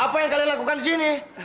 apa yang kalian lakukan disini